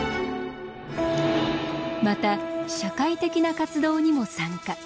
また社会的な活動にも参加。